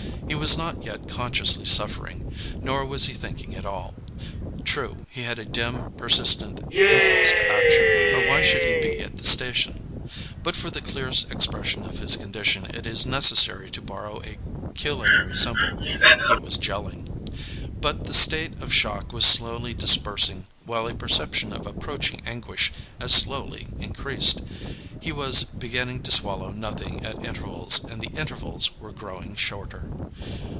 He was not yet consciously suffering; nor was he thinking at all. True, he had a dim, persistent impulse to action or why should he be at the station? but for the clearest expression of his condition it is necessary to borrow a culinary symbol; he was jelling. But the state of shock was slowly dispersing, while a perception of approaching anguish as slowly increased. He was beginning to swallow nothing at intervals and the intervals were growing shorter.